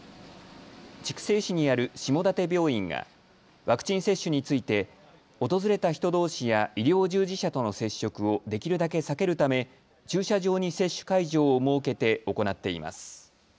筑西市にある下館病院がワクチン接種について訪れた人どうしや医療従事者との接触をできるだけ避けるため駐車場に接種会場を設けて行っています。